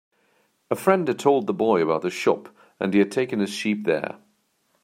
A friend had told the boy about the shop, and he had taken his sheep there.